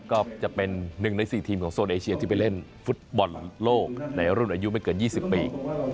ก็จะเป็น๑ใน๔ทีมของโซนเอเชียที่ไปเล่นฟุตบอลโลกในรุ่นอายุไม่เกิน๒๐ปี